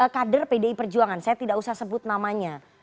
kader pdi perjuangan saya tidak usah sebut namanya